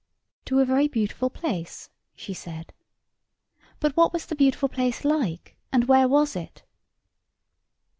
To a very beautiful place, she said. But what was the beautiful place like, and where was it?